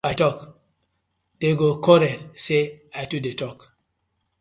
If I tok dem go quarll say I too dey tok.